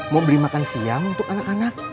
mau beli makan siang untuk anak anak